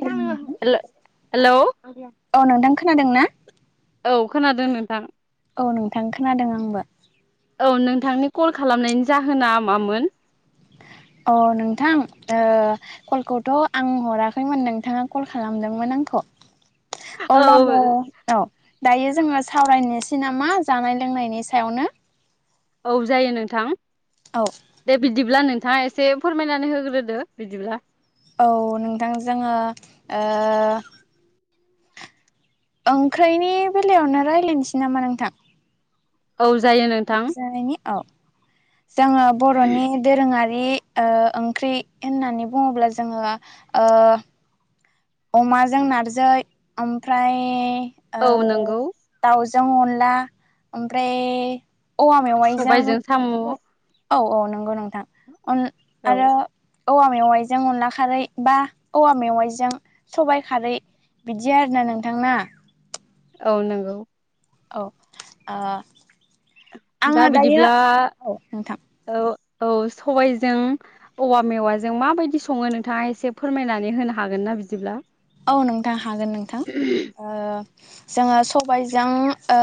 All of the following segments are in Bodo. औ हेल' नोंथां खोनादों ना औ खोनादों नोंथां। औ नोंथां खोनादों आंबो। औ नोंथांनि कल खालामनायनि जाहोना मामोन? अ नोंथां ओ कलखौथ' आं हराखैमोन नोंथाङा कल खालामदोंमोन आंखौ। [inaudible] औ अब्लाबो औ दायो जोङो सावरायनोसै नामा जानाय लोंनायनि सायावनो औ जायो नोंथां औ दे बिदिब्ला नों नोंथाङा एसे फोरमायनानै होग्रोदो बिदिब्ला औ नोंथां जोङो ओ ओंख्रिनि बेलायावनो रायज्लायनोसै नामा नोंथां? औ जायो ओंख्रि नोंथां। जानायनि औ जोङो बर'नि दोरोङारि ओ ओंख्रि होननानै बुङोब्ला जोङो ओ अमाजों नारजि ओमफ्राय ओ औ नंगौ दाउ जों अनला ओमफ्राय औवा मेवाइजों सबायजों साम' औ औ औ नंगौ नोंथां अन आरो औवा मेवाइजों अनला खारै बा औवा मेवाइजों सबायाइ खारै बिदि आर ना नोंथांना । औ नंगौ। औ ओ आङो दा दायो बिदिब्ला औ नोंथां औ औ सबायजों औवा मेवाजों माबायदि सङो नोंथाङा एसे फोरमायनानै होनो हागोन ना बिदिब्ला? औ नोंथां हागोन नोंथां ओ जोङो सबायजों ओ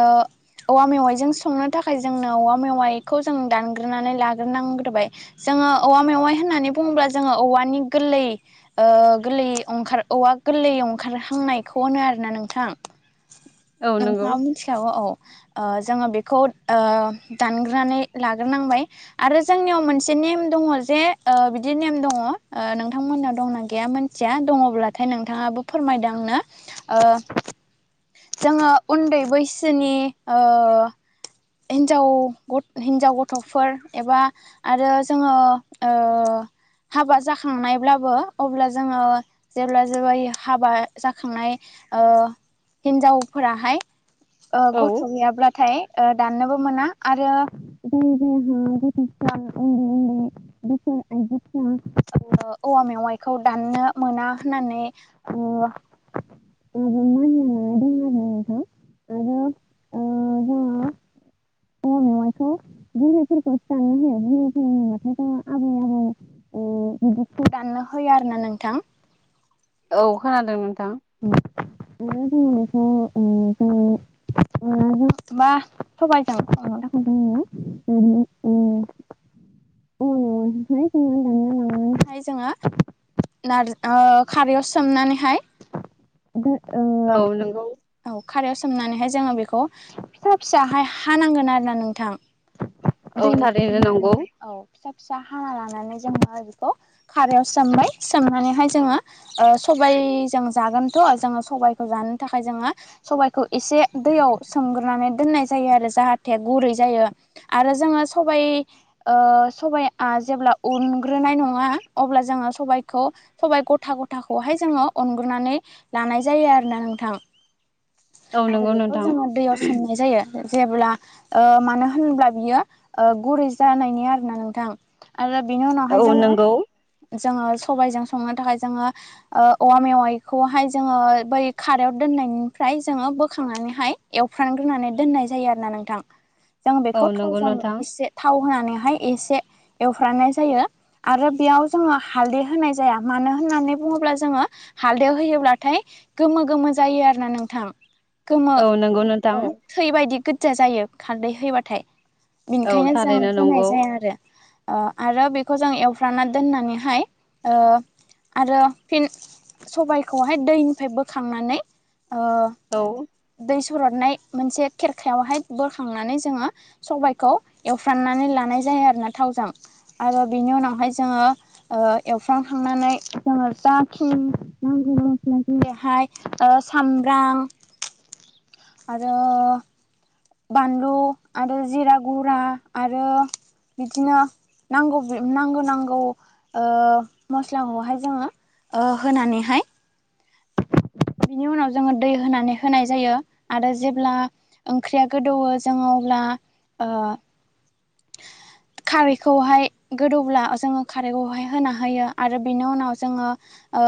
औवा मेवाइजों संनो थाखाय जोंनो औवा मेवाइखौ जों दानग्रोनानै लाग्रोनांग्रोबाय जों जोङो औवा मेवाइ होननानै बुङोब्ला जोङो औवानि गोरलै ओ गोरलै ओंखार औवा गोरलै ओंखारहांनायखौ होनो आरोना नोंथां। औ नंगौ नोंथाङाबो मिथिखागौ औ ओ जोङो बेखौ ओ दानग्रोनै लाग्रोनांबाय आरो जोंनियाव मोनसे नेम द ङ जे ओ बिदि नेम दङ ओ नोंथांमोनहा दंना गैया मोनथिया दङब्लाथाय नों थाङाबो फोरमायदो आंना ओ जोङो उन्दै बैसोनि ओ हिनजाव हिन्जाव गथ'फोर एबा आरो जोङो ओ हाबा जाखांनायब्लाबो अब्ला जोङो जेब्ला जेबाय हाबा जाखांनाय ओ हिन्जावफोराहाय ओ औ गथ' गैयाब्लाथाय ओ दाननोबो मोना आरो [unintelligible] [unintelligible] औवा मेवाइखौ दाननो मोना होननानै ओ [unintelligible] आरो ओ जोङो [unintelligible] औवा मेवाइखौ बुरैफोरखौसो दाननो होयो । बुरैफोर होनबाथाय जोंहा आबै आबौ [inaudible] बिदिखौ दाननो होयो आरो ना नोंथां। औ खोनादों नोंथां। [unintelligible] [unintelligible] मा सबायजों संनो थाखाय जोंनो [unintelligible] औवा मेवायखौहाय दानना लानानैहाय जोङो नार ओ खारैआव सोमनानैहाय औ नंगौ औ खारायाव सोमनानैहाय जोङो बेखौ फिसा फिसाहाय हानांगोन आरो ना नोंथां । औ दै थारैनो नंगौ औ फिसा फिसा हाना लानानै जों बेखौ खारायाव सोमबाय सोमनानैहाय जोङो ओ सबायजों जागोनथ' जों सबायखौ जानो थाखाय जोङो सबायखौ एसे दैयाव सोंग्रोनानै दोननाय जायो । जाहाथे गुरै जायो आरो जोङो सबाय ओ सबायआ जेब्ला अनग्रोनाय नङा अब्ला जोङो सबायखौ सबाइ गथा गथाखौहाय जोङो उन ग्रोनानै लानाय जायो आरो ना नोंथां । औ आरो नंगौ बेखौ नोंथां जोङो दैयाव सोमनाय जायो । जेब्ला ओ मानो होनब्ला बियो गुरै जानायनि आरोना नोंथां । आरो बिनि औ नाहाय जां नंगौ जोङो सबायाइजों संनो थाखाय जोङो औवा मेवाइखौहाय जोङो बै खारायाव दोननायनि फ्रफ्राय जोङो बोखांनानैहाय एवफ्रानग्रोनानै दोननाय जायो आरो ना नोंथां जों औ बेखौ नंगौ थावजों नोंथां एसे थाव होनानैहाय एसे एवफ्रानाय जायो आरो बेयाव जोङो हालदै होनाय जाया मानो होननानै बुङोब्ला जोङो। हालदाव होयोब्लाथाय गोमो गोमो जायो आरोना नों गोथाम गोमो औ नंगौ नोंथां औ थैबायायदि गो्जा जायो खारदै होबाथाय औ बेनिखायनो जों थारैनो होननाय नंगौ जाया आरो अ आरो बेखौ जों एवफ्रना दोननानैहाय ओ आरो फिन सबायखौहाय दैनिफ्राय बोखांनानै अ औ दैस फुरदनाय मोनसे खेरखायावहाय बोखांनानै जोङो सबाइखौ एवफ्राननानै लानाय जायो। [unintelligible] आरोना थाउजों आरो बिनि उनाव जोङो ओ एवफ्रामखांनानै जोङो जा [unintelligible] सामब्राम आरो बानलु आरो जिरा गा आरो बिदिनो नांगौ नांगौ नांगौ मस्लाखौहाय जोङो ओ होनानैहाय बिनि उनाव जोङो दै होनानै होनाय जायो आरो जेब्ला ओंख्रिया गोदौवो जोंङो अब्ला ओ [inaudible] खारैखौहाय गोदौब्ला जोङो खारैखौहाय होना होयो आरो बिनि उनाव जोङो ओ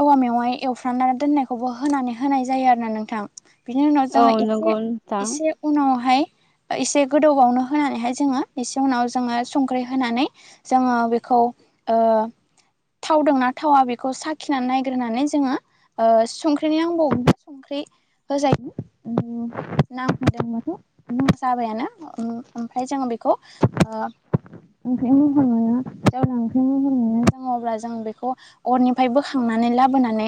औवा मेवाइ एवफ्रनानै दोननायखौबो होनानै होनाय जायो आरो ना नोंथां । बिनि उनाव औ जोङो एसे नंगौ नोंथां एसे उनावहाय एसे गोदौबावनो होनानैहाय जोङो एसे उनाव जोङो संख्रि होनानै जोङो बेखौ खौ ओ थावना थावाखै बेखौ साख खिनानै नायग्रानै जोङो संख्रिनि नांबावोना संख्रि नांबावगौ [unintelligible] [unintelligible] जाबायानो ओमफ्राय जोङो बेखौ ओंख्रि महर मोनो जेब्ला ओंख्रि महर मोनो दङ अब्ला जों बेखौ अरनि मफाय बोखांनानै लाबोनानै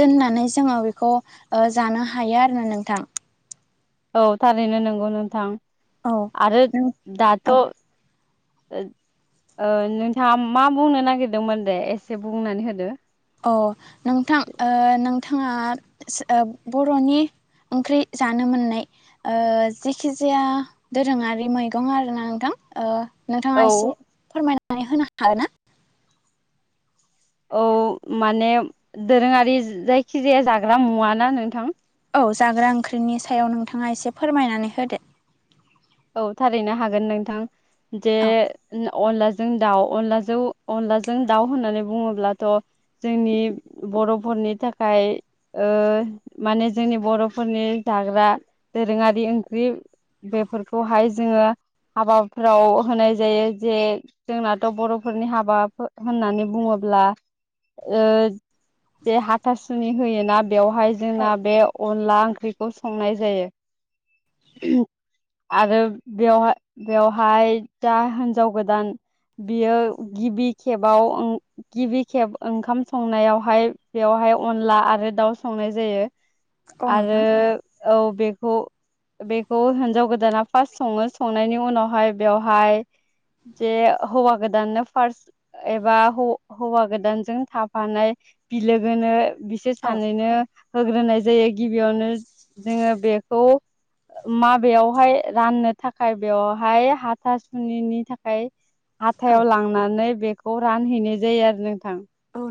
दोननानै जोङो बेखौ जानो हायो आरो ना नोंथां। औ थारैनो नंगौ नोंथां औ आरो नों दाथ' औ ओ नोंथाङा मा बुंनो नागिरदोंमोन दे एसे बुंनानै होदो। अ नोंथां ओ नोंथाङा बर'नि ओंख्रि जानो मोननाय ओ जिखिजाया दोरोङारि मैगं आरोना नोंथां? नोंथाङा औ एसे फोरमायनानै होनो हागोन ना? औ माने दोरोङारि जायखिजाया जाग्रा मुवााना नोंथां? औ जाग्रा ओंख्रिनि सायाव नोंथाङा एसे फोरमायनानै होदो। औ थारैनो हागोन नोंथां जे नो अनलाजों दाउ अनलाजों अनलाजों दाउ होननानै बुङोब्लाथ' जोंनि बर'फोरनि थाखाय ओ माने जोंनि बर'फोरनि जाग्रा जेरै रोङारि ओंख्रि बेफोरखौहाय जोङो हाबाफ्राव होनाय जायो जे जोंनाथ' बर'फोरनि हाबा होननानै बुङोब्ला ब्ला ओ जे हाथासुनि होयोना? बेवहाय औ जोंना बे अनला ओंख्रिखौ संनाय जायो। आरो बेवहा बेवहाय दा हिन्जाव गोदान बियो गिबि खेबाव गिबि खेब ओंखाम संनायावहाय बेवहाय हाय अनला आरो दाउ संनाय जायो। औ आरो नोंथां औ बेखौ बेखौ होन्जाव गोदाना फार्स्ट सङो संनायनि उनावहाय बेवहाय जे हौवा गोदाननो फार्स्ट एबा हौ-हौवा गोदानजों थाफानाय बिलोगोनो बिसोर औ सानैनो होग्रोनाय जायो गिबियावनो जोङो बेखौ माबेयावहाय राननो थाखाय बेवहाय हाथा सुनिनि थाखाय औ हाथायाव लांनानै बेखौ रानहैनाय जायो आरो नोंथां।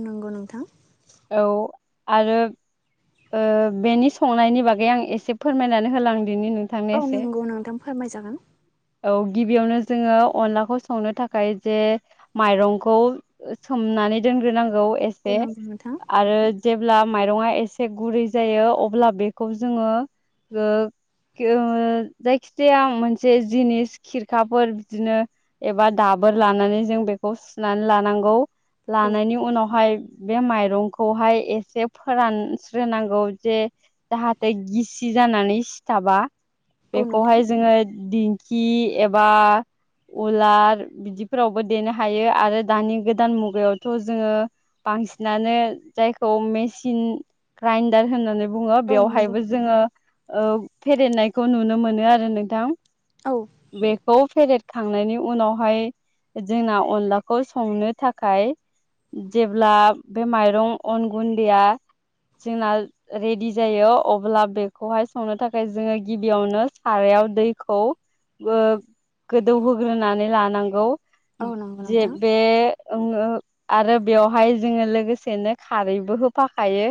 नोंगौ नोंथां। औ आरो ओ बेनि संनायनि बागै आं एसे फोरमायनानै होलां दिनि नोंथांनो औ एसे नंगौ नोंथां फोरमायजागोन औ गिबियावनो जोङो अनलाखौ संनो थाखाय जे माइरंखौ ओ सोमना नै दोनग्रोनांगौ औ एसे नंगौ नोंथां आरो जेब्ला माइरङा एसे गुरै जायो अब्ला बेखौ जोङो ओ ओ जायखिजाया मोनसे जिनिस खिरखाफोर बिदिनो एबा दा बोर लानानै जों बेखौ सुनानै लानांगौ औ लानायनि उनावहाय बे माइरं खौहाय एसे फोरानस्रोनांगौ जे जाहाथे गिसि जानानै सिथा बा। औ नोंथां बेखौहाय जोङो दिंखि एबा उलार बिदिफोरावबो देनो हायो आरो दानि गोदान मुगायावथ' जोङो बांसिनानो जायखौ मेसिन ग्राइडार होननानै बुङो औ बेवहायबो जोङो ओ फेरेदनायखौ नुनो मोनो आरो नोंथां। औ बेखौ फेरेदखांनायनि उनावहाय जोंना अनलाखौ संनो थाखाय जेब्ला बे माइरं अन गुन्दैया जोंना रेडि जायो अब्ला बेखौहाय संनो थाखाय जोङो गिबियावनो सारा याव दैखौ ओ गोदौहोग्रोनानै लानांगौ, औ नंगौ जे नोंथां बे ओ आरो बेवहाय जोङो लोगोसेनो खारैबो होफाखायो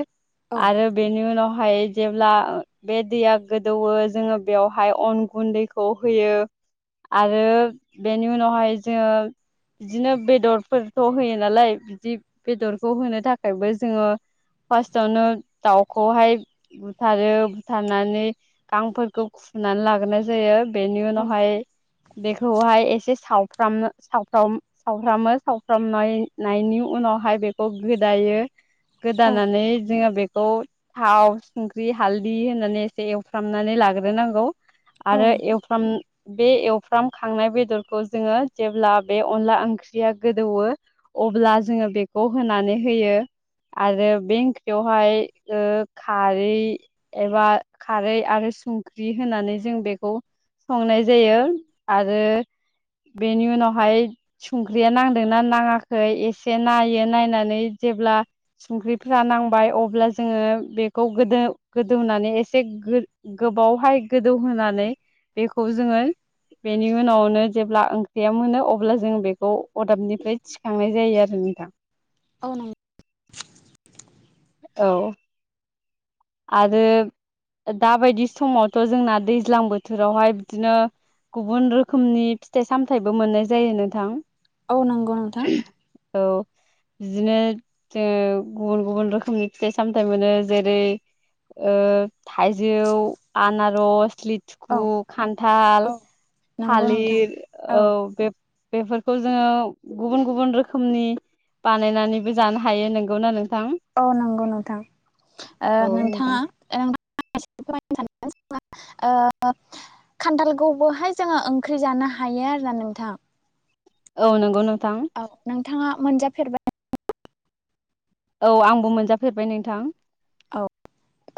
औ आरो बेनि उनाव हाय जेब्ला बे दैया गोदौवो जोङो बेवहाय अन गुन्दैखौ होयो आरो बेनि उनावहाय जोङो बिदिनो बेदरफोरथ' होयो नालाय बिदि बेदरखौ होनो थाखायबो जोङो फार्स्टआवनो दाउखौहाय बुथारो बुथारनानै गांफोरखौ खु नानै लाग्रोनाय जायो बेनि औ उनावहाय बेखौहाय एसे सावफ्राम-सावफ्राम-सावफ्रामो सावफ्रामनायनि उनाव हाय बेखौ गोदायो, औ गोदानानै जोङो बे खौ थाव, संख्रि, हालदि होननानै एसे एवफ्रामनानै लाग्रोनांगौ। औ आरो एवफ्राम बे एवफ्रामखांनाय बेदरखौ जोङो जेब्ला बे अनला ओंख्रिया गोदौवो अब्ला जोङो बेखौ होनानै होयो। आरो बे ओंख्रियावहाय ओ खारै एबा खारै आरो संख्रि होनानै जों बेखौ संनाय जायो आरो बेनि उनावहाय संख्रिया नांदोंना नाङाखै एसे नायो नायनानै जेब्ला संख्रिफ्रा नांबाय अब्ला जोङो बेखौ गोदो- गोदौनानै एसे गो-गोबावहाय गोदौहोनानै बेखौ जोङो बेनि उनावनो जेब्ला ओंख्रिया मोनो अब्ला जों बेखौ अदाबनिफ्राय थिखांनाय जायो आरो। नोंथां। [unintelligible] औ। आरो दाबायदि समावथ' जोंना दैज्लां बोथोरावहाय बिदिनो गुबुन रोखोमनि फिथाइ-सामथाइबो मोननाय जायो नोंथां। औ नोंगौ नोंथां। औ। बिदिनो ओ ज गुबुन गुबुन रोखोमनि फिथाइ सामथायाइ मोनो जेरै थाइजौ आनारस औ लिथुखु खान्थाल औ नंगौ नोंथां थालिर औ बे बेफोरखौ जोङो गुबुन गुबुन रोखोमनि बानायनानैबो जानो हायो नोंगौना नोंथां। औ नंगौ नोंथां औ नोंथां नोंथाङा ओ नोंथांआ [unintelligible] ओ खान्थालखौबोहाय जोङो ओंख्रि जानो हायो आरोना नोंथां। औ नंगौ नो औ नोंथांआ मोनजाफेरबाय। औ आंबो मोनजाफेरबाय नोंथां। औ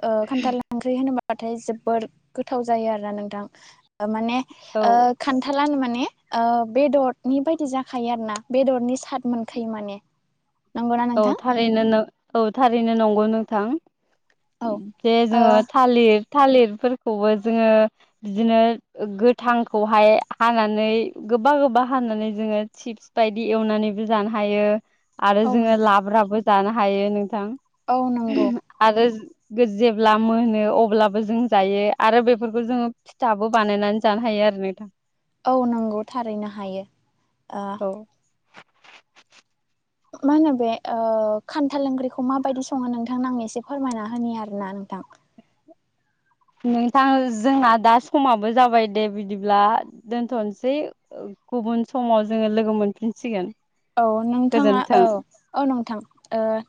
ओ खान्थाल ओंख्रै होनोबा। बाथाय जोबोद गोथाव जायो आरोा नोंथां माने औ खान्थालानो माने बेदरनि बायदि जाखायो आरो ना बेदरनि साद मोनखायो माने नंगौना औ नोंथां थारैनो औ थारैनो नंगौ नोंथां। औ बेे ओ जोङो थालिर थालिरफोरखौबो जोङो बिदिनो गोथांखौहाय हानानै गोबा गोबा हानानै जोङो चिप्स बायदि एवनानैबो जानो हायो आरो औ जोङो नोंथां लाब्राबो जानो हायो नोंथां औ नंगौ आरो जेब्ला मोनो अब्लाबो जों जायो। आरो बेफोरखौ जोङो फिथाबो बानायनानै जानो हायो। नोंथां। औ नंगौ थारैनो हायो। ओ औ मा होनो बे खान्थाल ओंख्रि खौ माबायदि सङो नोंथां आं एसे फोरमायना होयो आरोना नों [unintelligible] [inaudible] नोंथां जोंना दा समाबो जाबाय दे बिदिब्ला दोनथ'नोसै गुबुन समाव जोङो लोगो मोनफिनसिगोन। औ नोंथाङा गोजोन्थों औ औ नोंथां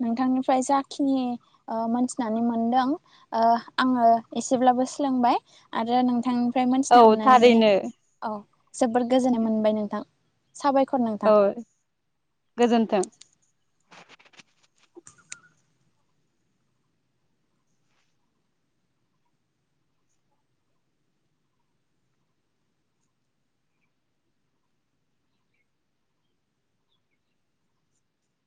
नोंथांनिफ्राय जाखिनि ओ मोनथिनानै मोनदों ओ आङो एसेब्लाबो सोलोंबाय आरो नोंथां‌। ओमफ्राय औ मोनथिना मोननानै थारैनो औ जोबद गोजोननाय मोनबाय नोंथां साबायखर औ नोंथां। गोजोन्थों।